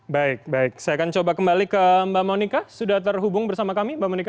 baik baik saya akan coba kembali ke mbak monika sudah terhubung bersama kami mbak monika